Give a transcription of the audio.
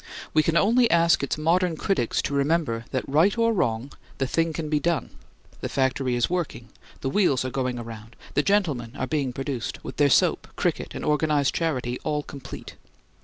We can only ask its modern critics to remember that right or wrong the thing can be done; the factory is working, the wheels are going around, the gentlemen are being produced, with their soap, cricket and organized charity all complete.